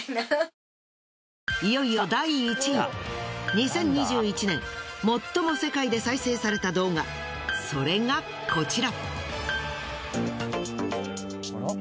２０２１年最も世界で再生された動画それがこちら。